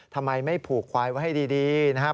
ทำไมไม่ผูกควายไว้ให้ดีนะครับ